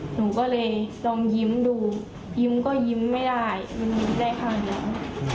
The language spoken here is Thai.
หนูก็เลยลองยิ้มดูยิ้มก็ยิ้มไม่ได้ยิ้มได้แค่นั้น